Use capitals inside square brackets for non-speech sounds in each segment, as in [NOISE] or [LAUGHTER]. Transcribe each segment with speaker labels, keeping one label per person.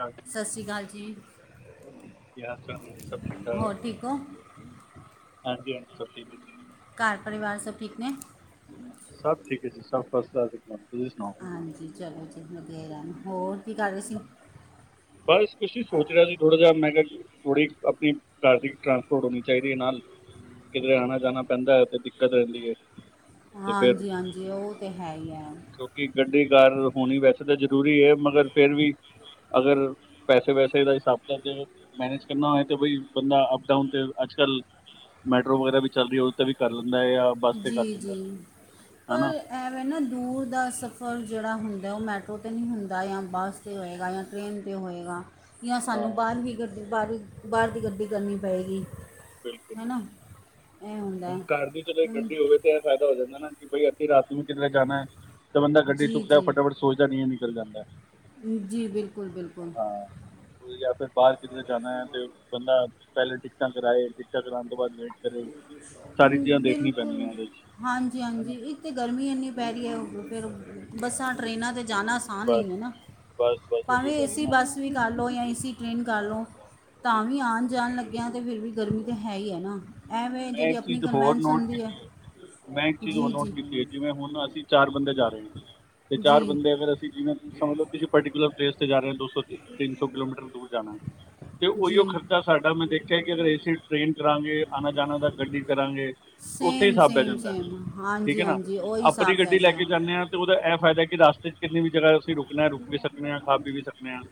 Speaker 1: ਹਾਂਜੀ
Speaker 2: ਸਤਿ ਸ੍ਰੀ ਅਕਾਲ ਜੀ!
Speaker 1: ਕੀ ਹਾਲ ਚਾਲ ਆ ਜੀ ਸਭ ਠੀਕ ਠਾਕ ਹੈ
Speaker 2: ਹੋਰ ਠੀਕ ਹੋ
Speaker 1: ਹਾਂਜੀ ਹਾਂਜੀ ਸਭ ਠੀਕ।
Speaker 2: ਘਰ ਪਰਿਵਾਰ ਸਭ ਠੀਕ ਨੇ।
Speaker 1: ਸਭ ਠੀਕ ਐ ਜੀ ਸਭ ਫਸਟ ਕਲਾਸ ਤੁਸੀਂ ਸੁਣਾਓ।
Speaker 2: ਹਾਂਜੀ ਚਲੋ ਜੀ ਵਧੀਆ ਹੀ ਰਹਿਣ ਹੋਰ ਕੀ ਕਰ ਰਹੇ ਸੀ।
Speaker 1: ਬਸ ਕੁਛ ਨੀ ਸੋਚ ਰਿਹਾ ਸੀ ਥੋੜਾ ਜਿਹਾ ਮੈਂ ਕਿਹਾ। ਥੋੜੀ ਆਪਣੀ ਪ੍ਰਾਈਵੇਟ ਟਰਾਂਸਪੋਰਟ ਹੋਣੀ ਚਾਹੀਦੀ ਹੈ ਨਾਲ। ਕਿਤੇ ਆਉਣਾ ਜਾਣਾ ਪੈਂਦਾ ਹੈ ਤੇ ਦਿੱਕਤ ਰਹਿੰਦੀ ਹੈ। ਤੇ ਫਿਰ
Speaker 2: ਹਾਂਜੀ ਹਾਂਜੀ ਉਹ ਤੇ ਹੈ ਹੀ ਹੈ
Speaker 1: ਕਿਉਂਕਿ ਗੱਡੀ ਕਾਰ ਹੋਣੀ ਵੈਸੇ। ਤਾਂ ਜ਼ਰੂਰੀ ਹੈ ਮਗਰ ਫੇਰ ਵੀ ਅਗਰ। ਪੈਸੇ ਵੈਸੇ ਦਾ ਹਿਸਾਬ ਤੇ ਮੈਨੇਜ ਕਰਨਾ ਹੋਏ ਤੇ ਬਈ ਬੰਦਾ ਅਪ ਡਾਊਨ ਤੇ ਅੱਜ ਕੱਲ। ਮੈਟਰੋ ਵਗੈਰਾ ਵੀ ਚੱਲ ਰਹੀ ਹੈ ਉਹ ਤਾਂ ਵੀ ਕਰ ਲੈਂਦਾ ਆ।
Speaker 2: ਜੀ ਜੀ ਪਰ ਐਵੇਂ ਨਾ ਦੂਰ ਦਾ ਸਫ਼ਰ ਜਿਹੜਾ ਹੁੰਦਾ। ਜਦ ਉਹ ਮੈਟਰੋ 'ਤੇ ਨਹੀਂ ਹੁੰਦਾ ਜਾਂ ਬੱਸ 'ਤੇ ਹੋਏਗਾ ਜਾਂ ਟ੍ਰਰੇਨ 'ਤੇ ਹੋਏਗਾ। ਜਾਂ
Speaker 1: ਹਾਂ
Speaker 2: ਸਾਨੂੰ ਬਾਹਰ ਹੀ ਗੱਡੀ ਬਾਹਰ ਬਾਹਰ ਦੀ ਗੱਡੀ ਕਰਨੀ ਪਏਗੀ।
Speaker 1: ਬਿਲਕੁਲ
Speaker 2: ਹੈ
Speaker 1: ਬਿਲਕੁਲ
Speaker 2: ਨਾ ਇਹ ਹੁੰਦਾ ਹੈ
Speaker 1: ਹੁਣ ਘਰ ਦੀ ਚ।
Speaker 2: ਹੁਣ
Speaker 1: ਗੱਡੀ ਹੋਵੇ ਤੇ ਇਹ ਫਾਇਦਾ ਹੋ ਜਾਂਦਾ ਨਾ ਕਿ ਬਈ ਅਸੀਂ ਰਾਤ ਨੂੰ ਕਿਤੇ ਜਾਣਾ ਹੈ। ਤਾਂ ਬੰਦਾ ਗੱਡੀ
Speaker 2: ਜੀ
Speaker 1: ਚੁੱਕਦਾ
Speaker 2: ਜੀ
Speaker 1: ਫਟਾਫਟ ਸੋਚਦਾ ਨਹੀਂ ਹੈ ਨਿਕਲ ਜਾਂਦਾ।
Speaker 2: ਜੀ ਬਿਲਕੁਲ। ਬਿਲਕੁਲ
Speaker 1: ਹਾਂ ਗਿਆ ਫਿਰ ਬਾਹਰ ਕਿਧਰ ਜਾਣਾ ਹੈ ਤੇ ਬੰਦਾ। ਪਹਿਲੇ ਟਿਕਟਾਂ ਕਰਵਾਏ ਟਿਕਟਾਂ ਕਰਾਉਣ ਤੋਂ ਬਾਅਦ ਵੇਟ ਕਰੇ। ਸਾਰੀ ਚੀਜ਼ਾਂ ਦੇਖਣੀ ਪੈਂਦੀਆਂ
Speaker 2: ਬਿਲਕੁਲ
Speaker 1: ਉਹਦੇ 'ਚ
Speaker 2: ਹਾਂਜੀ
Speaker 1: ਹੈ
Speaker 2: ਹਾਂਜੀ
Speaker 1: ਨਾ
Speaker 2: ਇ ਤਾਂ ਗਰਮੀ ਇੰਨੀ ਪੈ ਰਹੀ ਹੈ ਉਹ। ਫਿਰ ਬੱਸਾਂ ਟਰੇਨਾਂ ਤੇ ਜਾਣਾ ਅਸਾਨ
Speaker 1: ਬਸ
Speaker 2: ਨਹੀਂ ਹੈ ਨਾ
Speaker 1: ਬਸ ਬਸ
Speaker 2: ਭਾਵੇਂ
Speaker 1: ਉਹੀ ਗੱਲ
Speaker 2: ਏਸੀ
Speaker 1: ਨਾ
Speaker 2: ਬੱਸ ਵੀ ਕਰ ਲਉ ਜਾਂ ਏਸੀ ਟ੍ਰੇਨ ਕਰ
Speaker 1: ਹਾਂ
Speaker 2: ਲਓ ਤਾਂ ਵੀ ਆਉਣ ਜਾਣ ਲੱਗਿਆ ਅਤੇ ਫਿਰ ਵੀ ਗਰਮੀ ਤਾਂ ਹੈ ਹੀ ਹੈ ਨਾ ਐਂਵੇਂ
Speaker 1: ਮੈਂ
Speaker 2: ਜਿਹੜੀ
Speaker 1: ਇੱਕ
Speaker 2: ਆਪਣੀ
Speaker 1: ਚੀਜ਼ ਹੋਰ
Speaker 2: ਕਨਵੈਂਸ
Speaker 1: ਨੋਟ
Speaker 2: ਹੁੰਦੀ ਹੈ।
Speaker 1: ਕੀਤੀ ਮੈਂ ਇੱਕ ਚੀਜ਼
Speaker 2: ਜੀ
Speaker 1: ਹੋਰ ਨੋਟ
Speaker 2: ਜੀ
Speaker 1: ਕੀਤੀ ਹੈ ਜਿਵੇਂ ਹੁਣ ਅਸੀਂ ਚਾਰ ਬੰਦੇ ਜਾ ਰਹੇ ਹਾਂ ਤੇ ਚਾਰ
Speaker 2: ਜੀ
Speaker 1: ਬੰਦੇ ਅਗਰ ਅਸੀਂ ਜਿਵੇਂ ਸਮਜ ਲੌ ਕਿਸੇ ਪਰਟੀਕੁਲਰ ਪਲੇਸ ਤੇ ਜਾ ਰਹੇ ਹ ਦੋ ਸੌ ਤਿੰਨ ਸੌ ਕਿਲੋਮੀਟਰ ਦੂਰ ਜਾ
Speaker 2: [INAUDIBLE]
Speaker 1: ਤੇ ਉਹੀਓ
Speaker 2: ਜੀ
Speaker 1: ਖਰਚਾ ਸਾਡਾ ਮੈਂ ਦੇਖਿਆ ਕਿ ਅਗਰ ਏਸੀ ਟ੍ਰਰੇਨ ਕਰਾਂਗੇ ਆਣਾ ਜਾਣਾ ਦਾ ਗੱਡੀ ਕਰਾਂਗੇ ਉੱਥੇ ਹੀ
Speaker 2: ਸੇਮ
Speaker 1: ਹਿਸਾਬ ਪੈ
Speaker 2: ਸੇਮ
Speaker 1: ਜਾਂਦਾ ਹੈ।
Speaker 2: ਸੇਮ
Speaker 1: ਠੀਕ
Speaker 2: ਹਾਂਜੀ
Speaker 1: ਹੈ ਨਾ
Speaker 2: ਹਾਂਜੀ ਉਹੀ ਹਿਸਾਬ
Speaker 1: ਆਪਣੀ
Speaker 2: ਪੈ
Speaker 1: ਗੱਡੀ ਲੈ
Speaker 2: ਜਾਏਗਾ
Speaker 1: ਕੇ ਜਾਂਦੇ ਹਾਂ ਤੇ ਉਹਦਾ ਇਹ ਫਾਇਦਾ ਕਿ ਕਿੰਨੀ ਵੀ ਜਗ੍ਹਾ ਤੁਸੀਂ ਰੁਕਣਾ ਰੁਕ ਵੀ ਸਕਦੇ ਹਾਂ ਖਾ-ਪੀ ਵੀ ਸਕਦੇ ਹਾਂ।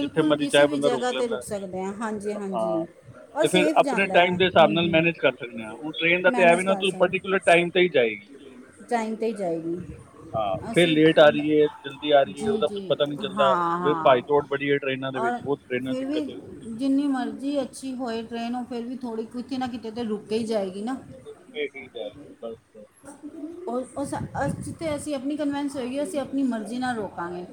Speaker 1: ਜਿੱਥੇ ਮਰਜ਼ੀ
Speaker 2: ਕਿਸੇ
Speaker 1: ਚਾਹੇ
Speaker 2: ਵੀ
Speaker 1: ਬੰਦਾ
Speaker 2: ਜਗਾ
Speaker 1: ਰੋਕ
Speaker 2: 'ਤੇ ਰੁਕ ਸਕਦੇ ਹਾਂ ਹਾਂਜੀ, ਹਾਂਜੀ ਔਰ
Speaker 1: ਤੇ ਫਿਰ
Speaker 2: ਸੇਫ
Speaker 1: ਆਪਣੇ
Speaker 2: ਜਾਂਦਾ ਹੈ
Speaker 1: ਟਾਈਮ ਦੇ ਹਿਸਾਬ
Speaker 2: ਹੂੰ
Speaker 1: ਨਾਲ
Speaker 2: ਹੂੰ
Speaker 1: ਮੈਨੇਜ ਕਰ ਸਕਦੇ ਹੁਣ ਟ੍ਰੇਨ ਦਾ ਤਾਂ ਇਹ
Speaker 2: ਮੈਨੇਜ
Speaker 1: ਵੀ ਨਾ ਪਰਟੀਕੂਲਰ ਟਾਈਮ ਤੇ ਹੀ ਜਾਏਗੀ
Speaker 2: ਟਾਈਮ ਤੇ ਹੀ ਜਾਏਗੀ।
Speaker 1: ਹਾਂ ਫਿਰ
Speaker 2: ਅਸੀਂ
Speaker 1: ਲੇਟ ਆ ਰਹੀ ਹੈ ਜਲਦੀ ਆ ਰਹੀ ਹੈ
Speaker 2: ਜੀ,
Speaker 1: ਉਹਦਾ ਕੁਛ
Speaker 2: ਜੀ
Speaker 1: ਪਤਾ ਨਹੀਂ
Speaker 2: ਹਾਂ,
Speaker 1: ਚੱਲਦਾ ਫਿਰ ਭਾਈ
Speaker 2: ਹਾਂ
Speaker 1: ਦੌੜ ਬੜੀ ਹੈ ਟ੍ਰੇਨਾਂ ਦੇ ਵਿੱਚ
Speaker 2: ਔਰ
Speaker 1: ਬਹੁਤ ਟ੍ਰੇਨਾਂ
Speaker 2: ਫਿਰ ਵੀ
Speaker 1: ਦਿੱਕਤ ਹੈ
Speaker 2: ਜਿੰਨੀ ਮਰਜ਼ੀ ਅੱਛੀ ਹੋਏ ਟ੍ਰਰੇਨ ਉਹ ਫਿਰ ਵੀ ਥੋੜ੍ਹੀ ਕਿਤੇ ਨਾ ਕਿਤੇ ਤਾਂ ਰੁਕ ਹੀ ਜਾਏਗੀ [UNINTELLIGIBLE]
Speaker 1: ਰੁਕ ਕੇ ਹੀ ਜਾਏ ਬਸ
Speaker 2: ਕੰਨਵੇਂਸ ਹੋਈ ਗੀ ਅਸੀਂ ਆਪਣੀ ਮਰਜੀ ਨਾਲ ਰੋਕਾ ਗੇ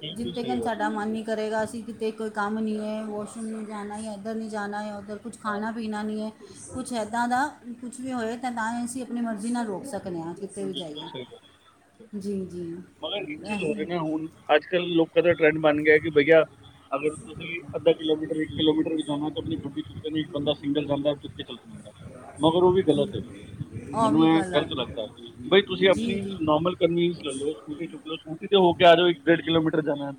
Speaker 1: ਬਿਲਕੁਲ
Speaker 2: ਜਿਥੇ
Speaker 1: ਸਹੀ
Speaker 2: ਤਕ
Speaker 1: ਗੱਲ
Speaker 2: ਸਾਡਾ ਮਨ ਕਰੇਗਾ ਅਸੀਂ ਕਿਤੇ ਕੋਈ ਕੰਮ ਨਹੀਂ ਹੈ ਵਾਸ਼ਰੂਮ ਨ ਜਾਣਾ ਹੈ ਇੱਧਰ ਨਹੀ ਜਾਣਾ ਹੈ। ਤੇ ਕੁਛ
Speaker 1: ਹਾਂ
Speaker 2: ਖਾਣਾ
Speaker 1: ਹਾਂ
Speaker 2: ਪੀਣਾ ਨਹੀਂ ਹੈ ਕੁਛ ਇੱਦਾਂ ਦਾ ਕੁਛ ਵੀ ਹੋਏ ਤਾਂ ਤਾਂ ਹੀ ਅਸੀਂ ਆਪਣੀ ਮਰਜ਼ੀ ਨਾਲ ਰੋਕ ਸਕਦੇ ਹਾਂ ਕਿਤੇ ਵੀ ਜਾਈਏ ਜੀ ਜੀ
Speaker 1: ਮਗਰ ਇੱਕ ਚੀਜ਼ ਹੋ ਰਹੀ
Speaker 2: ਇਹੀ
Speaker 1: ਨਾ ਹੁਣ ਅੱਜ ਕਲ ਲੋਕਾਂ ਦਾ ਟਰੈਂਡ ਬਣ ਗਿਆ ਕਿ [INAUDIBLE] ਅਗਰ ਤੁਸੀਂ ਅੱਧਾ ਕਿਲੋਮੀਟਰ ਇੱਕ ਕਿਲੋਮੀਟਰ ਵੀ ਜਾਣਾ ਤਾਂ ਆਪਣੀ ਗੱਡੀ ਚੁੱਕਦਾ ਇੱਕ ਬੰਦਾ ਸਿੰਗਲ ਜਾਂਦਾ ਚੁੱਕ ਚੱਲ ਜਾਂਦਾ ਮਗਰ ਉਹ ਵੀ ਗ਼ਲਤ ਹੈ
Speaker 2: ਆ ਵੀ
Speaker 1: ਮੈਨੂੰ ਇਹ
Speaker 2: ਗੱਲ ਆ
Speaker 1: ਗ਼ਲਤ
Speaker 2: ਗਈ।
Speaker 1: ਲੱਗਦਾ ਹੈ। ਬਈ ਤੁਸੀਂ
Speaker 2: ਜੀ
Speaker 1: ਆਪਣੀ
Speaker 2: ਜੀ
Speaker 1: ਨੋਰਮਲ ਕਾਨਵਿੰਸ ਲੈ ਲਓ ਸਕੂਟੀ ਚੁੱਕ ਲ ਸਕੂਟੀ ਤੇ ਹੋ ਕੇ ਆ ਜਾਓ ਇੱਕ ਡੇਢ ਕਿਲੋਮੀਟਰ ਜਾਣਾ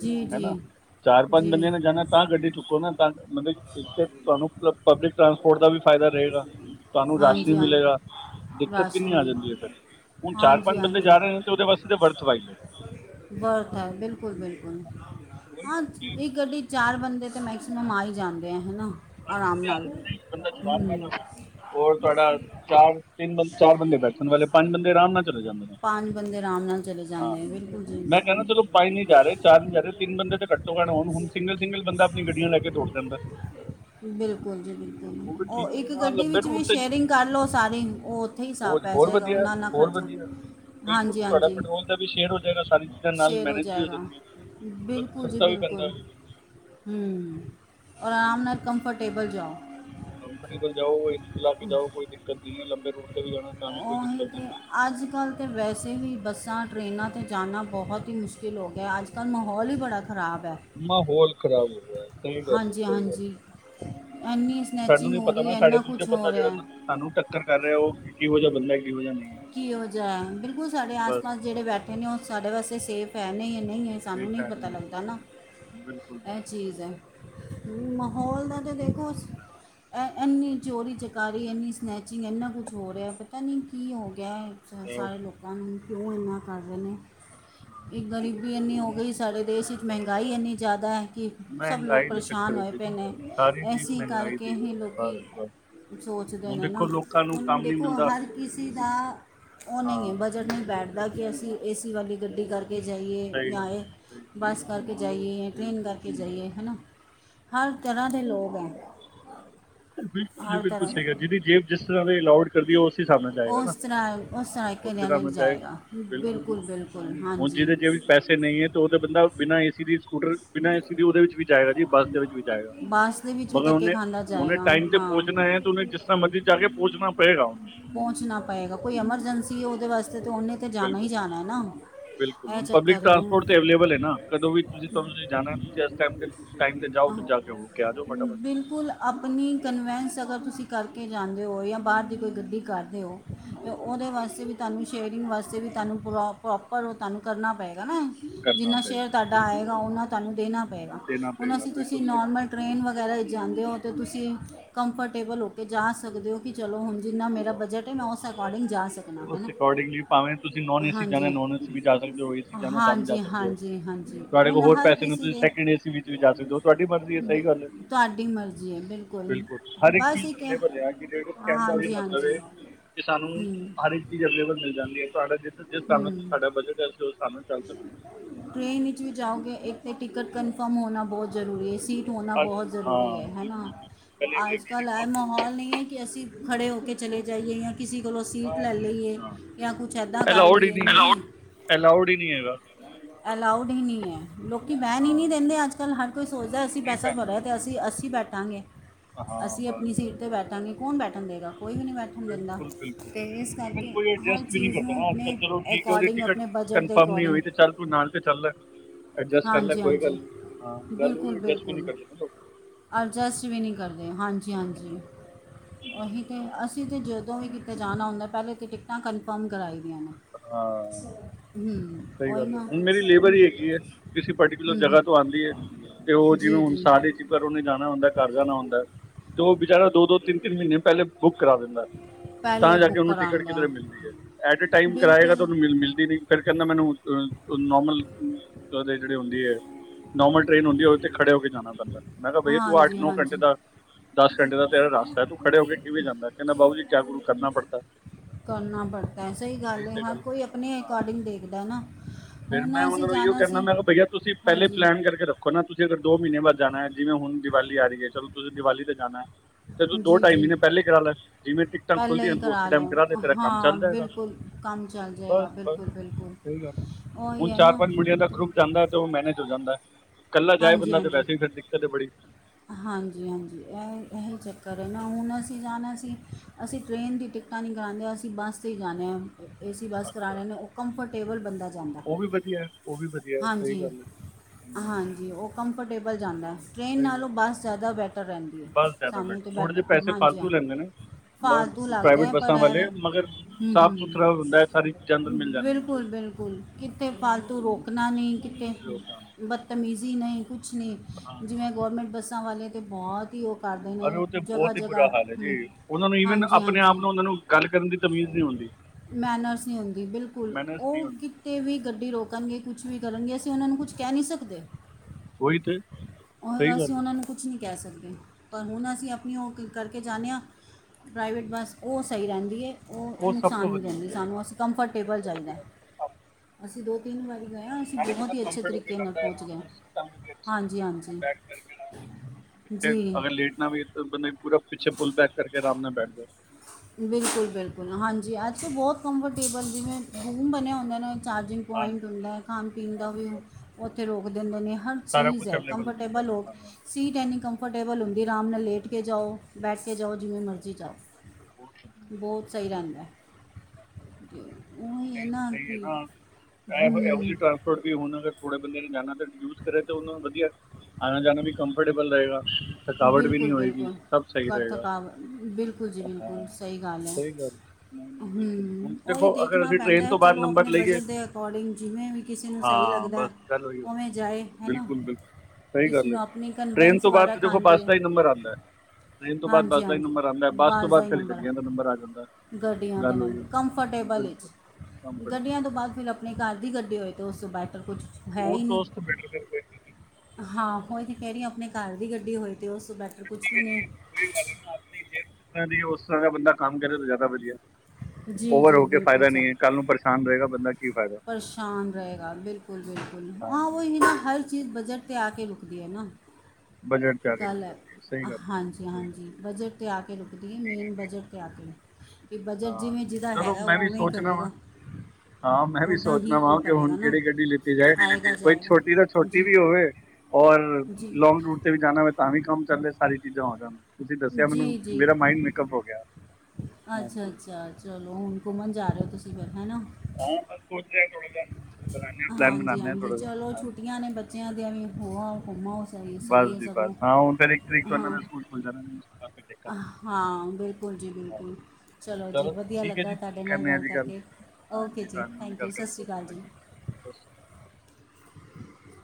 Speaker 2: ਜੀ,
Speaker 1: ਹੈ
Speaker 2: ਜੀ
Speaker 1: ਨਾ ਚਾਰ ਪੰਜ ਬੰਦਿਆਂ
Speaker 2: ਜੀ
Speaker 1: ਨੇ ਜਾਣਾ ਤਾਂ ਗੱਡੀ ਚੁੱਕੋ ਨਾ ਤਾਂ ਮਤਲਬ ਇੱਕ ਤੁਹਾਨੂੰ ਪਬਲਿਕ ਟਰਾਂਸਪੋਰਟ ਦਾ ਵੀ ਫਾਇਦਾ ਰਹੇਗਾ ਤੁਹਾਨੂੰ ਰਸ਼ ਵੀ
Speaker 2: ਹਾਂਜੀ ਹਾਂਜੀ
Speaker 1: ਮਿਲੇਗਾ ਦਿੱਕਤ
Speaker 2: ਰਾਸ਼ਨ
Speaker 1: ਕਿੰਨੀ ਆ
Speaker 2: ਮਿਲ
Speaker 1: ਜਾਂਦੀ ਹੈ ਫਿਰ ਹੁਣ ਚਾਰ
Speaker 2: ਹਾਂਜੀ,
Speaker 1: ਪੰਜ ਬੰਦੇ
Speaker 2: ਹਾਂਜੀ
Speaker 1: ਜਾ ਰਹੇ ਨੇ ਤਾਂ ਉਹਦੇ ਵਾਸਤੇ ਤਾਂ ਵਰਥ ਵਾਈਲ ਹੈ
Speaker 2: ਵਰਥ ਹੈ ਬਿਲਕੁਲ ਬਿਲਕੁਲ
Speaker 1: ਹੈ ਨਾ ਉਹੀ
Speaker 2: ਹਾਂ
Speaker 1: ਜੇ
Speaker 2: ਇਹ ਗੱਡੀ ਚਾਰ ਬੰਦੇ ਤੇ ਮੈਕਸੀਮਮ ਆ ਹੀ ਜਾਂਦੇ ਆ ਹਨਾ
Speaker 1: ਪੰਜ
Speaker 2: ਆਰਾਮ
Speaker 1: ਬੰਦੇ
Speaker 2: ਨਾਲ ਹੂ
Speaker 1: ਹੋਰ ਤੁਹਾਡਾ ਚਾਰ ਤਿੰਨੰ ਚਾਰ ਬੰਦੇ ਬੈਠਣ ਵਾਲੇ ਪੰਜ ਬੰਦੇ ਆਰਾਮ ਨਾਲ ਚਲੇ ਜਾਂਦੇ ਨੇ
Speaker 2: ਪੰਜ ਬੰਦੇ ਆਰਾਮ ਨਾਲ ਚਲੇ
Speaker 1: ਹਾਂ
Speaker 2: ਜਾਂਦੇ ਆ ਬਿਲਕੁਲ ਜੀ
Speaker 1: ਮੈਂ ਕਹਿੰਦਾ
Speaker 2: ਬਿਲਕੁਲ
Speaker 1: ਚਲੋ ਪੰਜ ਨਹੀਂ ਜਾ ਰਹੇ ਚਾਰ ਤਿੰਨ ਬੰਦੇ ਤਾਂ ਘੱਟੋ ਘੱਟ ਹੋਣ ਹੁਣ ਸਿੰਗਲ- ਸਿੰਗਲ ਬੰਦਾ ਆਪਣੀ ਗੱਡੀਆਂ ਲੈ ਕੇ ਦੌੜ ਜਾਂਦਾ
Speaker 2: ਬਿਲਕੁਲ ਜੀ ਬਿਲਕੁਲ ਜੀ
Speaker 1: ਵੀ
Speaker 2: ਉਹ
Speaker 1: ਠੀਕ ਨਹੀਂ
Speaker 2: ਇੱਕ
Speaker 1: ਨਾ
Speaker 2: ਗੱਡੀ
Speaker 1: ਲੰਬੇ
Speaker 2: ਵਿੱਚ ਵੀ
Speaker 1: ਰੂਟ 'ਤੇ
Speaker 2: ਸ਼ੇਅਰਿੰਗ ਕਰ ਲਉ ਸਾਰੀ ਉਹ ਉੱਥੇ ਹਿਸਾਬ
Speaker 1: ਹੋਰ
Speaker 2: ਹੈ।
Speaker 1: ਹੋਰ ਵਧੀਆ, ਹੋਰ ਵਧੀਆ ਬਿਲਕੁਲ
Speaker 2: ਹਾਂਜੀ
Speaker 1: ਤੁਹਾਡਾ
Speaker 2: ਹਾਂਜੀ
Speaker 1: ਪੈਟਰੋਲ ਦਾ ਵੀ ਸ਼ੇਅਰ ਹੋ ਜਾਏਗਾ ਸਾਰੀ ਚੀਜ਼ਾਂ ਨਾਲ ਮੈਨੇਜ ਵੀ ਹੋ ਜਾਂਦੀ
Speaker 2: ਬਿਲਕੁਲ ਜੀ ਬਿਲਕੁਲ ਹਮ ਔਰ ਆਰਾਮ ਨਾਲ ਕੰਫਰਟੇਬਲ ਜਾਓ
Speaker 1: ਕੰਫਰਟੇਬਲ ਜਾਓ ਏਸੀ ਚਲਾ ਕੇ ਜਾਓ ਕੋਈ ਦਿੱਕਤ ਨ ਹੈ ਲੰਬੇ ਰੂਟ 'ਤੇ ਵੀ ਜਾਣਾ ਤਾਂ ਵੀ ਕੋਈ
Speaker 2: ਉਹੀ
Speaker 1: ਦਿੱਕਤ
Speaker 2: ਤੇ
Speaker 1: ਨਹੀਂ
Speaker 2: ਅੱਜ ਕਲ ਤਾਂ ਵੈਸੇ ਵੀ ਬੱਸਾਂ ਟਰੇਨਾਂ 'ਤੇ ਜਾਣਾ ਬਹੁਤ ਹੀ ਮੁਸ਼ਕਿਲ ਹੋ ਗਿਆ ਅੱਜ ਕਲ ਮਾਹੌਲ ਹੀ ਬੜਾ ਖਰਾਬ ਹੈ
Speaker 1: ਮਾਹੌਲ ਖ਼ਰਾਬ ਹੋ ਗਿਆ ਸਹੀ ਗੱਲ ਹੈ,
Speaker 2: ਹਾਂਜੀ
Speaker 1: ਸਹੀ ਗੱਲ
Speaker 2: ਹਾਂਜੀ
Speaker 1: ਹਾਂ
Speaker 2: ਇੰਨੀ
Speaker 1: ਸਾਨੂੰ
Speaker 2: ਸਨੈਚਿੰਗ
Speaker 1: ਨਹੀਂ
Speaker 2: ਹੋ
Speaker 1: ਪਤਾ
Speaker 2: ਰਹੀ
Speaker 1: ਨਾ
Speaker 2: ਹੈ
Speaker 1: ਸਾਡੇ
Speaker 2: ਇੰਨਾ
Speaker 1: ਦੂਜੇ
Speaker 2: ਕੁਝ
Speaker 1: ਬੰਦਾ
Speaker 2: ਹੋ ਰਿਹਾ
Speaker 1: ਜਿਹੜੇ
Speaker 2: ਹੈ
Speaker 1: ਸਾਨੂੰ ਟੱਕਰ ਕਰ ਰਿਹਾ ਉਹ ਕੀ ਹੋ ਜਾਂ ਬੰਦਾ ਹ ਕੀ ਹੋਜਾ ਨਈ
Speaker 2: ਕਿਹੋ ਜਿਹਾ ਬਿਲਕੁਲ ਸਾਡੇ ਆਸ ਪਾਸ ਜਿਹੜੇ ਬੈਠੇ ਨੇ ਉਹ ਸਾਡੇ ਵਾਸਤੇ ਸੇਫ ਹੈ ਨਈ ਹੈ। ਨਹੀਂ ਹੈ,
Speaker 1: ਇਹ
Speaker 2: ਸਾਨੂੰ ਨਹੀਂ
Speaker 1: ਫੈਨ
Speaker 2: ਪਤਾ ਲੱਗਦਾ ਨਾ
Speaker 1: ਬਿਲਕੁਲ
Speaker 2: ਇਹ
Speaker 1: ਬਿਲਕੁਲ
Speaker 2: ਚੀਜ਼ ਹੈ। ਮਾਹੌਲ ਦਾ ਤੇ ਦੇਖੋ
Speaker 1: ਆ
Speaker 2: ਇੰਨੀ ਚੋਰੀ ਚਕਾਰੀ ਇੰਨੀ ਸਨੈਚਿੰਗ ਇੰਨਾ ਕੁਛ ਹੋ ਰਿਹਾ ਪਤਾ ਨਹੀ ਕੀ ਹੋ ਗਿਆ ਹੈ ਸਾਰੇ
Speaker 1: ਓਕੇ
Speaker 2: ਲੋਕਾਂ ਨੂੰ ਕਿਉ ਇੰਨਾ ਕਰਦੇ ਨੇ
Speaker 1: ਹਾਂ
Speaker 2: ਇਹ ਗਰੀਬ ਗਰੀਬੀ ਇੰਨੀ ਹੋ ਗਈ ਸਾਡੇ ਦੇਸ਼ ਚ ਮਹਿੰਗਾਈ ਇੰਨੀ ਜ਼ਿਆਦਾ ਹੈ ਕਿ ਸਭ ਲੋਕ
Speaker 1: ਮਹਿੰਗਾਈ ਦੇ ਚੱਕਰ
Speaker 2: ਪਰੇਸ਼ਾਨ ਹੋਏ
Speaker 1: ਵਿੱਚ
Speaker 2: ਪਏ
Speaker 1: ਜੀ
Speaker 2: ਨੇ
Speaker 1: ਸਾਰੀ ਚੀਜ਼
Speaker 2: ਐਸੀ
Speaker 1: ਮਹਿੰਗਾਈ
Speaker 2: ਕਰਕੇ
Speaker 1: ਦੀ
Speaker 2: ਹੀ
Speaker 1: ਹੈ ਬਸ
Speaker 2: ਲੋਕੀ
Speaker 1: ਬਸ
Speaker 2: ਸੋਚਦੇ
Speaker 1: ਹੁਣ
Speaker 2: ਨੇ
Speaker 1: ਦੇਖੋ
Speaker 2: ਨਾ
Speaker 1: ਲੋਕਾਂ ਨੂੰ
Speaker 2: ਹੁਣ
Speaker 1: ਕੰਮ ਨਹੀਂ
Speaker 2: ਦੇਖੋ
Speaker 1: ਮਿਲਦਾ
Speaker 2: ਹਰ ਕਿਸੀ ਦਾ ਉਹ ਨਹੀਂ ਹੈ
Speaker 1: ਹਾਂ,
Speaker 2: ਬਜਟ ਨਹੀਂ ਬੈਠਦਾ ਕਿ ਅਸੀਂ ਏਸੀ ਵਾਲੀ ਗੱਡੀ ਕਰਕੇ ਕੇ ਜਾਈਏ
Speaker 1: ਸਹੀ ਗੱਲ
Speaker 2: ਜਾਂਏ
Speaker 1: ਸਹੀ
Speaker 2: ਬਸ ਕਰ ਕੇ ਜਾਈਏ ਟ੍ਰੇਨ ਕਰਕੇ ਜਾਈਏ ਹੈ ਨਾ ਹਰ ਤਰ੍ਹਾਂ ਦੇ ਲੋਕ ਹੈ
Speaker 1: ਬਿਲਕੁਲ ਜੀ
Speaker 2: ਹਰ
Speaker 1: ਬਿਲਕੁਲ
Speaker 2: ਤਰ੍ਹਾਂ
Speaker 1: ਸਹੀ ਹੈ ਜਿਹਦੀ ਜੇਬ ਜਿਸ ਤਰ੍ਹਾਂ ਦੇ ਅਲਾਉਡ ਕਰਦੀ ਹੈ ਉਸੇ ਹਿਸਾਬ ਨਾਲ ਜਾਏਗਾ ਨਾ
Speaker 2: ਉਸ ਤਰ੍ਹਾਂ ਉਸ ਤਰ੍ਹਾਂ ਘਰਿਆਂ ਨੇ ਜਾਏਗਾ ਬਿਲਕੁਲ ਬਿਲਕੁਲ
Speaker 1: ਹੁਣ
Speaker 2: ਹਾਂਜੀ
Speaker 1: ਜਿਹਦੇ ਜੇਬ ਵਿੱਚ ਪੈਸੇ ਨਹੀਂ ਹੈ
Speaker 2: ਸ਼ਹੀ
Speaker 1: ਤੇ ਉਹ ਬੰਦਾ ਬਿਨਾਂ ਏਸੀ ਦੀ ਸਕੂਟਰ ਬਿਨਾਂ ਏਸੀ ਦੀ ਉਹਦੇ ਵਿੱਚ ਵੀ ਜਾਏਗਾ ਜੀ ਬੱਸ ਦੇ ਵਿੱਚ ਵੀ ਜਾਏਗਾ
Speaker 2: ਬਾਂਸ ਦੇ ਵਿੱਚ ਵੀ
Speaker 1: ਮਗਰ
Speaker 2: ਧੱਕੇ
Speaker 1: ਉਹਨੇ
Speaker 2: ਖਾਂਦਾ ਜਾਏ
Speaker 1: ਉਹਨੇ ਟਾਈਮ ਤੇ ਪਹੁੰਚਣਾ ਹੈ ਤੇ ਉਹਨੇ ਜਿਸ ਤਰ੍ਹਾਂ ਮਰਜ਼ੀ ਜਾ ਕੇ ਪਹੁੰਚਣਾ ਪਏਗਾ ਉਹਨੂੰ
Speaker 2: ਪਹੁੰਚਣਾ ਪਏਗਾ ਕੋਈ ਐਮਰਜੈਂਸੀ ਹੈ ਉਹਦੇ ਵਾਸਤੇ ਤਾਂ ਉਹਨੇ ਤਾਂ ਜਾਣਾ ਹੀ
Speaker 1: ਬਿਲਕੁਲ।
Speaker 2: ਜਾਣਾ ਹੈ ਨਾ
Speaker 1: ਬਿਲਕੁਲ
Speaker 2: ਇਹ
Speaker 1: ਹੁਣ ਪਬਲਿਕ
Speaker 2: ਚੱਕਰ ਹੈ ਉਹ
Speaker 1: ਟਰਾਂਸਪੋਰਟ ਤੇ ਅਵੇਲੇਬਲ ਹੈ ਨਾ ਕਦੋਂ ਵੀ ਤੁਸੀਂ ਤਾਂ ਤੁਸੀ ਜਾਣਾ ਤੁਸੀ ਇਸ ਟਾਇਮ ਤੇ ਟਾਈਮ ਤੇ ਜਾਓ ਤੇ ਜਾ ਕੇ ਹੋ ਕੇ ਆ ਜਾਓ ਫਟਾਫਟ,
Speaker 2: ਬਿਲਕੁਲ ਆਪਣੀ ਕਨਵੈਂਸ ਅਗਰ ਤੁਸੀਂ ਕਰਕੇ ਜਾਂਦੇ ਹੋ ਜਾਂ ਬਾਹਰ ਦੀ ਕੋਈ ਗੱਡੀ ਕਰਦੇ ਹੋ ਅਤੇ ਉਹਦੇ ਵਾਸਤੇ ਵੀ ਤੁਹਾਨੂੰ ਸ਼ੇਅਰਿੰਗ ਵਾਸਤੇ ਵੀ ਤੁਹਾਨੂੰ ਪ੍ਰੋ ਪ੍ਰੋਪਰ ਤੁਹਾਨੂੰ ਕਰਨਾ ਪਏ
Speaker 1: ਕਰਨਾ
Speaker 2: ਜਿੰਨਾ
Speaker 1: ਪਏਗਾ,
Speaker 2: ਸ਼ੇਅਰ ਤੁਹਾਡਾ
Speaker 1: ਬਿਲਕੁਲ
Speaker 2: ਆਏਗਾ ਉਨਾ ਤੁਹਾਨੂੰ ਦੇਣਾ ਪਏਗਾ
Speaker 1: ਦੇਣਾ
Speaker 2: ਹੁਣ
Speaker 1: ਪਏਗਾ,
Speaker 2: ਅਸੀਂ ਤੁਸੀਂ
Speaker 1: ਬਿਲਕੁਲ ਸਹੀ।
Speaker 2: ਨੋਰਮਲ ਟ੍ਰੇਨ ਵਗੈਰਾ ਜਾਂਦੇ ਹੋ ਤਾਂ ਤੁਸੀਂ ਕੰਫਰਟੇਬਲ ਹੋ ਕੇ ਜਾ ਸਕਦੇ ਹੋ ਕਿ ਚਲੋ ਹੁਣ ਜਿੰਨਾ ਮੇਰਾ ਬਜਟ ਹੈ ਮੈਂ ਉਸ ਅਕੋਰਡਿੰਗ ਜਾ ਸਕ
Speaker 1: ਉਸ ਅਕੋਰਡਿੰਗਲੀ ਭਾਵੇਂ ਤੁਸੀਂ ਨੋਨ ਏਸੀ ਜਾਣਾ
Speaker 2: ਹਾਂਜੀ
Speaker 1: ਨੋਨ ਏਸੀ ਵੀ ਜਾ ਸਕਦੇ ਹੋ ਏਸੀ ਜਾਣਾ ਤਾਂ ਵੀ ਜਾ
Speaker 2: ਹਾਂਜੀ
Speaker 1: ਸਕਦੇ ਹੋ
Speaker 2: ਹਾਂਜੀ ਹਾਂਜੀ
Speaker 1: ਤੁਹਾਡੇ
Speaker 2: ਹੁਣ
Speaker 1: ਕੋਲ ਹੋਰ
Speaker 2: ਹਰ
Speaker 1: ਪੈਸੇ ਨੇ
Speaker 2: ਕਿਸੇ
Speaker 1: ਤੁਸੀਂ
Speaker 2: ਦੇ
Speaker 1: ਸੈਕਿੰਡ ਏਸੀ ਵਿੱਚ ਵੀ ਜਾ ਸਕਦੇ ਹੋ ਤੁਹਾਡੀ ਮਰਜ਼ੀ ਹੈ
Speaker 2: ਬ-
Speaker 1: ਸਹੀ ਗੱਲ ਹੈ
Speaker 2: ਤੁਹਾਡੀ ਮਰਜ਼ੀ ਹੈ
Speaker 1: ਬਿਲਕੁਲ ਹਰ ਇੱਕ ਚੀਜ਼ ਅਵੇਲੇਬਲ ਹੈ ਕਿ ਜਿਹ ਕਹਿਣ ਦਾ ਵੀ
Speaker 2: ਹਾਂਜੀ
Speaker 1: ਮਤਲਬ
Speaker 2: ਹਾਂਜੀ
Speaker 1: ਹੈ ਕਿ ਸਾਨੂੰ
Speaker 2: ਹੂੰ
Speaker 1: ਹਰ ਇੱਕ ਚੀਜ਼ ਅਵੇਲੇਬਲ ਮਿਲ ਜਾਂਦੀ ਹੈ ਸਾਡਾ ਜਿਸ ਜਿਸ ਹਿਸਾਬ ਨਾਲ
Speaker 2: ਹੂੰ
Speaker 1: ਸਾਡਾ ਬਜਟ ਹੈ ਅਸੀਂ ਓਸ
Speaker 2: ਟ੍ਰੇਨ ਵਿੱਚ ਵੀ ਜਾਓਗੇ ਇੱਕ ਤਾਂ ਟਿਕਟ ਕਨਫਰਮ ਹੋਣਾ ਬਹੁਤ ਜ਼ਰੂਰੀ ਹੈ ਇਸ ਸੀਟ ਹੋਣਾ
Speaker 1: ਹਾਂ ਅੱਜ
Speaker 2: ਬਹੁਤ ਜ਼ਰੂਰੀ
Speaker 1: ਹਾਂ
Speaker 2: ਹੈ ਹੈ ਨਾ
Speaker 1: ਬਿਲਕੁਲ ਬਿਲਕੁਲ ਪਹਿਲੇ
Speaker 2: ਅੱਜ
Speaker 1: ਅਵੇਲੇਬਿਲਿਟੀ
Speaker 2: ਕੱਲ੍ਹ ਇਹ
Speaker 1: ਬਹੁਤ ਜ਼ਰੂਰੀ
Speaker 2: ਮਾਹੌਲ ਨਹੀਂ ਹੈ ਕਿ ਅਸੀਂ ਖੜੇ ਹੋ ਕੇ ਚਲੇ ਜਾਈਏ ਯਾ ਕਿਸੇ ਕੋਲੋਂ ਸੀਟ
Speaker 1: ਨਾ
Speaker 2: ਲੈ ਲਈਏ
Speaker 1: ਨਾ ਨਾ
Speaker 2: ਜਾਂ ਕੁਛ ਇੱਦਾਂ ਕਰ
Speaker 1: ਅਲਾਉਡ ਹੀ
Speaker 2: ਲਈਏ
Speaker 1: ਨਹੀਂ ਹੈ ਅਲਾਉਡ ਨਹੀਂ ਹੈਗਾ
Speaker 2: ਅਲਾਉਡ ਹੀ ਨਹੀਂ ਹੈ ਲੋਕੀ ਬਹਿਣ ਹੀ
Speaker 1: ਹਾਂ
Speaker 2: ਨਹੀਂ ਦਿੰਦੇ ਅੱਜ
Speaker 1: ਬਿਲਕੁਲ
Speaker 2: ਕੱਲ੍ਹ ਹਰ ਕੋਈ ਸੋਚਦਾ ਅਸੀਂ
Speaker 1: ਨਹੀਂ
Speaker 2: ਪੈਸਾ ਭਰਿਆ ਅਤੇ
Speaker 1: ਪੈਂਦਾ
Speaker 2: ਅਸੀਂ ਅਸੀਂ ਬੈਠਾਂਗੇ
Speaker 1: ਹਾਂ
Speaker 2: ਅਸੀਂ
Speaker 1: ਬਸ
Speaker 2: ਆਪਣੀ ਸੀਟ
Speaker 1: ਬਸ
Speaker 2: ਤੇ ਬੈਠਾਂਗੇ ਕੌਣ ਬੈਠਣ ਦੇਗਾ ਕੋਈ ਵੀ ਨਹੀਂ ਬੈਠਣ ਦਿੰਦਾ
Speaker 1: ਬਿਲਕੁਲ ਬਿਲਕੁਲ
Speaker 2: ਅਤੇ ਇਸ
Speaker 1: ਇਵਨ
Speaker 2: ਕਰਕੇ
Speaker 1: ਕੋਈ
Speaker 2: ਹਰ
Speaker 1: ਐਡਜਸਟ ਵੀ ਨਹੀਂ
Speaker 2: ਚੀਜ਼
Speaker 1: ਕਰਦਾ
Speaker 2: ਨੂੰ ਆਪਣੇ ਅਕੋਡਿੰਗ ਆਪਣੇ ਬਜਟ ਦੇ
Speaker 1: ਫਮ ਨੀ
Speaker 2: ਅਕੋਰਡਿੰਗ
Speaker 1: ਹੋਈ ਤੇ ਚੱਲ ਤੂੰ ਨਾਲ ਤੇ ਚੱਲ ਐਡਜਸਟ ਕਰ ਲੈ
Speaker 2: ਹਾਂਜੀ
Speaker 1: ਕੋਈ
Speaker 2: ਹਾਂਜੀ
Speaker 1: ਗੱਲ ਨੀ ਹਾਂ ਗੱਲ ਐਡਜਸਟ ਵੀ ਨੀ ਕਰਦੇ ਦਸੋ
Speaker 2: ਅਡਜਸਟ ਵੀ ਨਹੀਂ ਕਰਦੇ ਹਾਂਜੀ ਹਾਂਜੀ ਉਹੀ ਤੇ
Speaker 1: ਬਿਲਕੁਲ।
Speaker 2: ਅਸੀਂ ਤੇ ਜਦੋਂ ਵੀ ਕਿਤੇ ਜਾਣਾ ਹੁੰਦਾ ਪਹਿਲੇ ਤੇ ਟਿਕਟਾਂ ਕਨਫਰਮ ਕਰਾਈ ਦੀਆ ਦੀਆਂ ਨੇ
Speaker 1: ਹਾਂ
Speaker 2: ਹੂੰ
Speaker 1: ਸਹੀ
Speaker 2: ਉਹੀ
Speaker 1: ਗੱਲ ਹੈ
Speaker 2: ਨਾ
Speaker 1: ਹੁਣ ਮੇਰੀ ਲੇਬਰ ਹੀ ਹੈਗੀ ਹੈ ਕਿਸੇ ਪਰਟੀਕੂਲਰ
Speaker 2: ਹੂੰ
Speaker 1: ਜਗ੍ਹਾ ਤੋਂ
Speaker 2: ਹੂੰ
Speaker 1: ਆਉਂਦੀ ਹੈ ਤੇ ਉਹ ਜਿਵੇਂ
Speaker 2: ਜੀ
Speaker 1: ਹੁਣ
Speaker 2: ਜੀ
Speaker 1: ਸਾਡੇ ਚ ਪਰ ਉਹਨੇ ਜਾਣਾ ਹੁੰਦਾ ਘਰ ਜਾਣਾ ਹੁੰਦਾ ਏ ਤੇ ਉਹ ਵਿਚਾਰਾ ਦੋ ਦੋ ਤਿੰਨ ਤਿੰਨ ਮਹੀਨੇ ਪਹਿਲੇ ਬੁੱਕ ਕਰਾ ਦਿੰਦਾ ਏ ਤਾਂ
Speaker 2: ਪਹਿਲੇ
Speaker 1: ਜਾ ਕੇ
Speaker 2: ਬੁੱਕ
Speaker 1: ਉਹਨੂੰ ਟਿਕਟ ਕਿੱਧਰੇ
Speaker 2: ਕਰਾਂਦਾ
Speaker 1: ਮਿਲਦੀ ਹੈ ਐਟ ਏ ਟਾਈਮ ਕਰਾਏਗਾ
Speaker 2: ਬਿਲਕੁਲ
Speaker 1: ਤਾਂ ਉਹਨੂੰ ਮਿਲ ਮਿਲਦੀ ਨਹੀਂ ਫਿਰ ਕਹਿੰਦਾ ਮੈਨੂੰ ਅਹ ਔਹ ਨੋਰਮਲ ਦੇ ਜਿਹੜੇ ਹੁੰਦੀ ਏ ਨੋਰਮਲ ਟ੍ਰੇਨ ਹੁੰਦੀ ਤੇ ਖੜੇ ਹੋ ਕੇ ਜਾਣਾ ਪੈਂਦਾ ਮੈਂ ਕਿਹਾ ਬਈ ਤੂੰ ਅੱਠ
Speaker 2: ਹਾਂਜੀ
Speaker 1: ਨੌ ਘੰਟੇ
Speaker 2: ਹਾਂਜੀ
Speaker 1: ਦਾ ਦਸ ਘੰਟੇ ਦਾ ਤੇਰਾ ਰਸਤਾ ਹੈ ਤੂੰ ਖੜੇ ਹੋ ਕੇ ਕਿਵੇਂ ਜਾਂਦਾ ਕਹਿੰਦਾ ਬਾਹੂ ਜੀ ਕਿਆ ਕਰੂ ਕਰਨਾ ਪੜਦਾ ਹੈ
Speaker 2: ਕਰਨਾ ਪੜਦਾ ਸਹੀ ਗੱਲ ਹੈ ਹਰ ਕੋਈ ਆਪਣੇ
Speaker 1: ਹਾਂ
Speaker 2: ਅਕੋਡਿੰਗ ਦੇਖਦਾ ਨਾ
Speaker 1: ਫਿਰ
Speaker 2: ਹੁਣ
Speaker 1: ਮੈਂ
Speaker 2: ਅਸੀਂ
Speaker 1: ਉਹਨਾਂ ਨੂੰ ਇਯੋ
Speaker 2: ਜਾਣਾ
Speaker 1: ਕਹਿੰਦਾ
Speaker 2: ਸੀ
Speaker 1: ਮੈਂ ਕਿਹਾ ਭਈਆ ਤੁਸੀਂ ਪਹਿਲੇ
Speaker 2: ਹਾਂਜੀ
Speaker 1: ਪਲੈਨ ਕਰਕੇ ਰੱਖੋ ਨਾ ਤੁਸੀਂ ਅਗਰ ਦੋ ਮਹੀਨੇ ਬਾਅਦ ਜਾਣਾ ਜਿਵੇਂ ਹੁਣ ਦੀਵਾਲੀ ਆ ਰਹੀ ਹੈ ਚਲੋ ਤੁਸੀਂ ਦੀਵਾਲੀ ਤੇ ਜਾਣਾ ਹੈ ਤੇ ਤੁੂੰ ਦੋ
Speaker 2: ਜੀ
Speaker 1: ਢਾਈ
Speaker 2: ਜੀ
Speaker 1: ਮਹੀਨੇ ਪਹਿਲੇ ਕਰਾ ਲੈ ਜਿਵੇਂ ਟਾਂ
Speaker 2: ਪਹਿਲੇ
Speaker 1: ਖੁੱਲਦੀਆਂ
Speaker 2: ਹੀ
Speaker 1: ਤੂੰ
Speaker 2: ਕਰਾ
Speaker 1: ਉਸੇ ਟਾਈਮ
Speaker 2: ਲਓ
Speaker 1: ਕਰ ਦੇ ਤੇਰਾ ਕੰਮ
Speaker 2: ਹਾਂ
Speaker 1: ਚੱਲ ਜਾਏਗਾ
Speaker 2: ਬਿਲਕੁਲ ਕੰਮ ਚੱਲ ਜਾਏਗਾ
Speaker 1: ਬਸ ਬਸ
Speaker 2: ਬਿਲਕੁਲ ਬਿਲਕੁਲ
Speaker 1: ਸਹੀ ਗੱਲ ਹੈ ਹੁਣ
Speaker 2: ਉਹੀ ਹੈ
Speaker 1: ਚਾਰ
Speaker 2: ਨਾ
Speaker 1: ਪੰਜ ਮੁੰਡੀਆਂ ਦਾ ਗਰੁੱਪ ਜਾਂਦਾ ਤੇ ਉਹ ਮੈਨੇ ਹੋ ਜਾਂਦਾ ਇਕੱਲਾ ਜਾਏ
Speaker 2: ਹਾਂਜੀ
Speaker 1: ਬੰਦਾ ਤੇ
Speaker 2: ਹਾਂਜੀ
Speaker 1: ਵੈਸੇ ਵੀ ਫਿਰ ਦਿੱਕਤ ਹੈ ਬੜੀ
Speaker 2: ਹਾਂਜੀ ਹਾਂਜੀ ਇਹ ਇ ਹੀ
Speaker 1: ਹਾਂ
Speaker 2: ਚੱਕਰ ਹੈ ਨਾ ਹੁਣ ਅਸੀਂ ਜਾਣਾ ਸੀ ਅਸੀਂ ਟ੍ਰਰੇਨ ਦੀ ਟਿਕਟਾਂ ਨਹੀਂ ਕਰਾਉਂਦੇ ਅਸੀਂ ਬੱਸ 'ਤੇ ਹੀ ਜਾਂਦੇ ਹਾਂ ਏ ਸੀ ਬੱਸ ਕਰਾ
Speaker 1: ਅੱਛਾ
Speaker 2: ਲਹੇਦੇ ਉਹ ਕੰਫਰਟ [UNINTELLIGIBLE] ਜਾਂਦਾ
Speaker 1: ਉਹ ਵੀ ਵਧੀਆ ਹੈ, ਉਹ ਵੀ ਵਧੀਆ ਹੈ, ਸਹੀ
Speaker 2: ਹਾਂਜੀ
Speaker 1: ਗੱਲ ਹੈ ਹੂੰ,
Speaker 2: ਹਾਂਜੀ ਉਹ ਕੰਫਰਟੇਬਲ ਜਾਂਦਾ ਹੈ ਟ੍ਰੇਨ
Speaker 1: ਸਹੀ ਗੱਲ
Speaker 2: ਨਾਲੋਂ ਬਸ ਜ਼ਿਆਦਾ ਬੈਟਰ ਰਹਿੰਦੀ ਹੈ
Speaker 1: ਬਸ ਜ਼ਿਆਦਾ
Speaker 2: ਸਾਨੂੰ ਤਾਂ
Speaker 1: ਥੋੜੇ
Speaker 2: ਬੈਟਰ
Speaker 1: ਜਿਹੇ ਪੈਸੇ
Speaker 2: ਹਾਂਜੀ ਹਾਂ
Speaker 1: ਲੈਂਦੇ ਨੇ
Speaker 2: ਫਾਲਤੂ
Speaker 1: ਮਗਰ
Speaker 2: ਲੱਗਦੇ
Speaker 1: ਪ੍ਰਾਈਵੇਟ
Speaker 2: ਆ ਪਰ
Speaker 1: ਬੱਸਾਂ
Speaker 2: ਹੈ
Speaker 1: ਵਾਲੇ
Speaker 2: ਹਮ
Speaker 1: ਮਗਰ ਸਾਫ
Speaker 2: ਹਮ
Speaker 1: ਸੁਥਰਾ ਹੁੰਦਾ ਹੈ ਸਾਰੀ ਚੀਜ਼ਾਂ ਅੰਦਰ ਮਿਲ
Speaker 2: ਬਿਲਕੁਲ
Speaker 1: ਜਾਂਦੀਆਂ ਉਹਦੇ
Speaker 2: ਬਿਲਕੁਲ ਬਿਲਕੁਲ ਕਿਤੇ ਫਾਲਤੂ ਰੋਕਣਾ ਨਹੀਂ ਕਿਤੇ
Speaker 1: ਲੋਕਡਾਊਨ ਵਿੱਚ
Speaker 2: ਬਦਤਮੀਜ਼ ਜੀ ਨਹੀਂ ਕੁਛ ਨਹੀਂ ਜਿਵੇਂ ਗੌਰਮੈਂਟ ਬੱਸਾਂ ਵਾਲੇ ਤਾਂ ਬਹੁਤ ਹੀ ਉਹ ਕਰਦੇ ਨੇ
Speaker 1: ਅ ਉਹ ਤੇ
Speaker 2: ਜਗ੍ਹਾ
Speaker 1: ਬਹੁਤ ਹੀ
Speaker 2: ਜਗ੍ਹਾ
Speaker 1: ਬੁਰਾ ਹਾਲ ਹੈ
Speaker 2: ਹੂੰ
Speaker 1: ਜੀ ਉਹਨਾਂ ਨੂੰ ਈਵਨ
Speaker 2: ਹਾਂਜੀ
Speaker 1: ਆਪਣੇ ਆਪ
Speaker 2: ਹਾਂਜੀ
Speaker 1: ਨੂੰ ਉਹਨਾਂ ਨੂੰ ਗੱਲ ਕਰਨ ਦੀ ਤਮੀਜ਼ ਨਹੀਂ ਹੁੰਦੀ
Speaker 2: ਮੈਨਰਸ ਨਹੀਂ ਹੁੰਦੀ ਬਿਲਕੁਲ
Speaker 1: ਮੈਨਰਸ ਨਹੀਂ
Speaker 2: ਉਹ
Speaker 1: ਹੁੰਦੀ
Speaker 2: ਕਿਤੇ ਵੀ ਗੱਡੀ ਰੋਕਣਗੇ ਕੁਛ ਵੀ ਕਰਨਗੇ ਅਸੀਂ ਉਹਨਾਂ ਨੂੰ ਕੁਝ ਕਹਿ ਨਹੀਂ ਸਕਦੇ
Speaker 1: ਉਹੀ ਤੇ
Speaker 2: ਔਰ
Speaker 1: ਸਹੀ ਗੱਲ
Speaker 2: ਅਸੀਂ
Speaker 1: ਹੈ
Speaker 2: ਉਹਨਾਂ ਨੂੰ ਕੁਛ ਨਹੀਂ ਕਹਿ ਸਕਦੇ ਪਰ ਹੁਣ ਅਸੀਂ ਆਪਣੀ ਉਹ ਕਰਕੇ ਜਾਂਦੇ ਹਾਂ ਪ੍ਰਾਈਵੇਟ ਬੱਸ ਉਹ ਸਹੀ ਰਹਿੰਦੀ ਹੈ ਉਹ
Speaker 1: ਸਭ
Speaker 2: ਨੁਕਸਾਨ
Speaker 1: ਤੋਂ
Speaker 2: ਨਹੀਂ
Speaker 1: ਵਧੀਆ
Speaker 2: ਦਿੰਦੀ ਸਾਨੂੰ ਅਸੀਂ
Speaker 1: ਸਭ
Speaker 2: ਕੰਫਰਟੇਬਲ
Speaker 1: ਤੋਂ
Speaker 2: ਚਾਹੀਦਾ
Speaker 1: ਵਧੀਆ ਤੇ ਸਭ
Speaker 2: ਅਸੀਂ ਦੋ ਤਿੰਨ ਵਾਰੀ ਗ ਅਸੀਂ
Speaker 1: ਨਾਲੇ ਬੰਦਾ
Speaker 2: ਬਹੁਤ ਹੀ ਅੱਛੇ
Speaker 1: ਕੰਫਰਟ ਹੋ ਕੇ
Speaker 2: ਤਰੀਕੇ ਨਾਲ
Speaker 1: ਜਾਂਦਾ ਹੈ
Speaker 2: ਪਹੁੰਚ
Speaker 1: ਆਰਾਮ
Speaker 2: ਗਏ
Speaker 1: ਨਾਲ ਸੀਟਾਂ ਵੀ ਅੱਛੀ
Speaker 2: ਹਾਂਜੀ ਹਾਂਜੀ
Speaker 1: ਬੈਠ ਕਰਕੇ ਆਰਾਮ ਪਿੱਛੇ
Speaker 2: ਜੀ
Speaker 1: ਅਗਰ ਲਟ ਨਾ ਵੀ ਤਾਂ ਬੰੇ ਪੂਰਾ ਪਿੱਛੇ ਪੁਲ ਪੈਕ ਕਰਕੇ ਆਰਾਮ ਨਾਲ ਬੈਠ ਜਾਏ
Speaker 2: ਬਿਲਕੁਲ ਬਿਲਕੁਲ ਹਾਂਜੀ
Speaker 1: ਹਾਂ
Speaker 2: ਅੱਥੇ ਬਹੁਤ ਕੰਫਰਟੇਬਲ ਜਿਵੇਂ ਰੂਮ ਬਣਿਆ ਹੁੰਦਾ ਨਾ ਚਾਰਜਿੰਗ ਪੁਆਇੰਟ
Speaker 1: ਹਾਂਜੀ
Speaker 2: ਹੁੰਦਾ ਹੈ ਖਾਣ ਪੀਣ ਦਾ ਵੀ
Speaker 1: ਹਾਂਜੀ ਹਾਂਜੀ।
Speaker 2: ਉੱਥੇ ਰੋਕ ਦਿੰਦੇ ਨੇ
Speaker 1: ਸਾਰਾ ਕੁਝ
Speaker 2: ਚੀਜ਼ ਹ
Speaker 1: ਅਵੇਲੇਬਲ ਜਾਂਦਾ ਹੈ।
Speaker 2: ਕੰਫਰਟੇਬਲ ਹੋ
Speaker 1: ਹਾਂ ਬਹੁਤ
Speaker 2: ਸੀਟ ਐਨੀ ਕੰਫਰਟੇਬਲ ਹੁੰਦੀ ਆਰਾਮ ਨਾਲ ਲੇਟ ਕੇ ਜਾਓ ਬੈਠ ਕੇ ਜਾਓ ਜਿਵੇਂ ਮਰਜ਼ੀ ਜਾਓ
Speaker 1: ਵਧੀਆ
Speaker 2: ਬਹੁਤ ਸਹੀ ਰਹਿੰਦਾ ਹੈ
Speaker 1: [INAUDIBLE]
Speaker 2: ਹੈ
Speaker 1: ਨਹੀਂ
Speaker 2: ਨਾ
Speaker 1: ਸਹੀ ਹੈ
Speaker 2: ਕਿ
Speaker 1: ਨਾ ਇਹੋ
Speaker 2: ਹਮ
Speaker 1: ਜਿਹੇ ਟਰਾਂਸਪੋਰਟ ਵੀ ਹਣ ਅਗਰ ਥੋੜੇ ਬੰਦੇ ਣਾ ਯੂਜ ਕਰੇ ਤੇ ਉਹਨਾਂ ਨੂੰ ਵਧੀਆ ਆਣਾ ਜਾਣਾ ਵੀ ਕੰਰਟੇਬਲ ਰਹੇਗਾ ਥਕਾਵਟ ਵੀ ਨਹੀਂੀ
Speaker 2: ਬਿਲਕੁਲ
Speaker 1: ਹੋਏਗੀ
Speaker 2: ਬਿਲਕੁਲ
Speaker 1: ਸਭ ਸਹੀ
Speaker 2: ਕਰ
Speaker 1: ਰਹੇਗਾ
Speaker 2: ਥਕਾਵ ਬਿਲਕੁਲ ਜੀ ਬਿਲਕੁਲ
Speaker 1: ਹਾਂ
Speaker 2: ਹੈ
Speaker 1: ਸਹੀ ਗੱਲ ਨਹੀਂ ਨਹੀਂ ਬਿਲਕੁਲ ਹੁਣ
Speaker 2: ਹਮ ਉਹੀ
Speaker 1: ਦੇਖੋ ਅਗਰ
Speaker 2: ਦੇਖਣਾ
Speaker 1: ਅਸੀਂ ਟ੍ਰੇਨ
Speaker 2: ਪੈਂਦਾ।
Speaker 1: ਤੋਂ ਬਾਅਦ
Speaker 2: ਚਲੋ
Speaker 1: ਨੰਬਰ
Speaker 2: ਆਪਣੇ
Speaker 1: ਲਈਏ
Speaker 2: ਬਜਟ ਦੇ ਐਕੋਡਿੰਗ, ਜਿਵੇਂ ਵੀ ਕਿਸੇ ਨੂੰ ਸਹੀ
Speaker 1: ਹਾਂ
Speaker 2: ਲੱਗਦਾ
Speaker 1: ਬਸ ਗੱਲ ਹੋਈ
Speaker 2: ਉਵੇਂ ਜਾਏ ਹੈਨਾ।
Speaker 1: [UNINTELLIGIBLE]
Speaker 2: ਕਿਸੇ ਨੂੰ ਆਪਣੀ ਕਨਵੈਂਸ
Speaker 1: ਇਸ ਤੋਂ ਬਾਅਦ
Speaker 2: ਵਾਲਾ
Speaker 1: ਦੇਖੋ ਬੱਸ
Speaker 2: ਖਾਂਦੇ
Speaker 1: ਦਾ ਹੀ
Speaker 2: ਹੈ।
Speaker 1: ਨੰਬਰ ਆਉਂਦਾ ਹੈ। ਟ੍ਰੇਨ ਤੋਂ ਬਾਅਦ,
Speaker 2: ਹਾਂਜੀ
Speaker 1: ਬੱਸ ਦਾ ਹੀ
Speaker 2: ਹਾਂਜੀ
Speaker 1: ਨੰਬਰ ਆਉਂਦਾ, ਬੱਸ ਤੋਂ
Speaker 2: ਬਾਸ ਦਾ
Speaker 1: ਬਾਅਦ,
Speaker 2: ਹੀ
Speaker 1: ਫਿਰ ਗੱਡੀਆਂ ਦਾ ਨੰਬਰ ਆ ਜਾਂਦਾ।
Speaker 2: ਗੱਡੀਆਂ ਦਾ
Speaker 1: ਗੱਲ
Speaker 2: ਨਾਮ
Speaker 1: ਹੋਈ ਹੋਵੇ
Speaker 2: ਕੰਫਰਟੇਬਲ ਵਿੱਚ।
Speaker 1: ਬਿਲਕੁਲ ਕੰਫਰਟੇਬਲ
Speaker 2: ਗੱਡੀਆਂ ਤੋਂ ਬਾਅਦ, ਫਿਰ ਆਪਣੇ ਘਰ ਦੀ ਗੱਡੀ ਹੋਏ, ਤੇ ਉਸ ਤੋਂ ਬਾਦ। ਪਰ ਕੁਛ ਹੈ
Speaker 1: ਉਹ
Speaker 2: ਹੀ
Speaker 1: ਤੋਂ
Speaker 2: ਨਹੀਂ।
Speaker 1: ਉਸ ਤੋਂ ਬੈਟਰ ਫਿਰ ਕੋਈ ਚੀਜ਼ ਨਹੀਂ
Speaker 2: ਹਾਂ ਉਹੀ ਤਾਂ ਕਹਿ ਰਹੀ ਹਾਂ, ਆਪਣੇ ਘਰ ਦੀ ਗੱਡੀ ਹੋਏ।
Speaker 1: ਠੀਕ ਹੈ ਜੀ। ਕੋਈ ਗੱਲ ਹੈ ਨਾ, ਆਪ ਜਿਸ ਤਰ੍ਹਾਂ ਦੀ, ਉਸ ਤਰ੍ਹਾਂ ਦਾ ਬੰਦਾ ਕੰਮ ਕਰੇ, ਤਾਂ ਜ਼ਿਆਦਾ ਵਧੀਆ। ਓਵਰ ਹੋ ਕੇ ਫਾਇਦਾ ਨਹੀਂ ਹੈ। ਕੱਲ੍ਹ ਨੂੰ ਪਰੇਸ਼ਾਨ ਰਹੇਗਾ, ਬੰਦਾ ਕੀ ਫਾਇਦਾ।
Speaker 2: ਬਿਲਕੁਲ! ਹਾਂ
Speaker 1: ਹਾਂਜੀ
Speaker 2: ਉਹੀ ਨਾ ਹਰ ਚੀਜ਼ ਬਜਟ 'ਤੇ ਆ ਕੇ ਰੁਕਦੀ ਹੈਨਾ।
Speaker 1: [INAUDIBLE] ਰੁਕ
Speaker 2: ਗੱਲ ਹੈ।
Speaker 1: ਜਾਂਦੀ ਸਹੀ ਗੱਲ
Speaker 2: ਹਾਂਜੀ-
Speaker 1: ਸਹੀ ਗੱਲ
Speaker 2: ਹਾਂਜੀ ਬਜਟ 'ਤੇ ਆ ਕੇ ਰੁਕਦੀਏ
Speaker 1: ਠੀਕ ਹੈ
Speaker 2: ਮੇਨ
Speaker 1: ਜੀ
Speaker 2: ਬਜਟ 'ਤੇ ਆ ਕੇ। ਤੇ ਬਜਟ? ਜਿਵੇਂ ਜਿਹਦਾ
Speaker 1: ਚਲੋ,
Speaker 2: ਹੈਗਾ
Speaker 1: ਮੈਂ
Speaker 2: ਉਹ
Speaker 1: ਵੀ
Speaker 2: ਉਵੇਂ ਹੀ
Speaker 1: ਸੋਚਣਾ ਵਾਂ।
Speaker 2: ਕਰੇਗਾ
Speaker 1: ਹਾਂ, ਮੈਂ ਵੀ
Speaker 2: ਉਦਾਂ ਹੀ
Speaker 1: ਸੋਚਣਾ
Speaker 2: ਉਹ
Speaker 1: ਵਾਂ, ਕਿ
Speaker 2: ਕਰੇਗਾ
Speaker 1: ਹੁਣ
Speaker 2: ਨਾ
Speaker 1: ਕਿਹੜੀ ਗੱਡੀ ਲਿੱਤੀ ਜਾਏ।
Speaker 2: ਆਏਗਾ
Speaker 1: ਕੋਈ ਛੋਟੀ ਤੋਂ
Speaker 2: ਜਾਏਗਾ
Speaker 1: ਛੋਟੀ
Speaker 2: ਜੀ
Speaker 1: ਵੀ ਹੋਵੇ। ਔਰ!
Speaker 2: ਜੀ
Speaker 1: ਲੌਂਗ ਰੂਟ ਤੇ ਵੀ ਜਾਣਾ ਹੋਵੇ, ਤਾਂ ਵੀ ਕੰਮ ਚੱਲੇ ਸਾਰੀ ਚੀਜ਼ਾਂ ਹੋ ਜਾਣ। ਤੁਸੀਂ ਦੱਸਿਆ, ਮੈਨੂੰ
Speaker 2: ਜੀ ਜੀ
Speaker 1: ਮੇਰਾ ਮਾਈੰਡ ਮੇਕਅਪ ਹੋ ਗਿਆ।
Speaker 2: ਅੱਛਾ-
Speaker 1: ਹਾਂਜੀ
Speaker 2: ਅੱਛਾ ਚਲੋ ਹੁਣ, ਘੁੰਮਣ ਜਾ ਰਹੇ ਹੋ? ਤੁਸੀਂ ਫਿਰ ਹੈ ਨਾ।
Speaker 1: ਹਾਂ ਬਸ! ਸੋਚ ਰਿਹਾ ਥੋੜਾ ਜਿਹਾ! ਬਣਾਉਂਦੇ ਹਾਂ ਪਲਾਨ
Speaker 2: ਹਾਂਜੀ-
Speaker 1: ਬਣਾਉਂਦੇ ਹਾਂ
Speaker 2: ਹਾਂਜੀ,
Speaker 1: ਥੋੜਾ ਜਿਹਾ
Speaker 2: ਚਲੋ
Speaker 1: ਹਾਂਜੀ
Speaker 2: ਛੁੱਟੀਆਂ ਨੇ ਬੱਚਿਆਂ ਦੀਆਂ ਵੀ ਹੋ ਆਓ, ਘੁਮ ਆਓ! ਸਹੀ ਹੈ, ਸਹੀ
Speaker 1: ਬਸ
Speaker 2: ਹੈ,
Speaker 1: ਜੀ ਬਸ
Speaker 2: ਸਗੋਂ
Speaker 1: ਹਾਂ ਹੁਣ ਫਿਰ ਇੱਕ ਤਰੀਕ ਤੋਂ ਇਹਨਾਂ
Speaker 2: ਹਾ-
Speaker 1: ਨੇ ਸਕੂਲ ਖੁੱਲ ਜਾਣਾ ਨੇ ਉਸ ਤੋਂ ਬਾਅਦ ਫਿਰ ਦੇਖਾਂ
Speaker 2: ਹਾਂ ਬਿਲਕੁਲ। ਬਿਲਕੁਲ ਜੀ
Speaker 1: ਹਾਂ
Speaker 2: ਬਿਲਕੁਲ, ਚਲੋ ਜੀ ਵਧੀਆ
Speaker 1: ਠੀਕ ਹੈ
Speaker 2: ਲੱਗਾ
Speaker 1: ਜੀ
Speaker 2: ਤੁਹਾਡੇ ਨਾਲ
Speaker 1: ਕਰਨੇ ਆ
Speaker 2: ਗੱਲ
Speaker 1: ਜੀ
Speaker 2: ਕਰਕੇ। ਓਕੇ ਜੀ, ਥੈਂਕ ਯੂ। ਸਤਿ ਸ਼੍ਰੀ ਅਕਾਲ ਜੀ।
Speaker 1: ਅਛ [INAUDIBLE]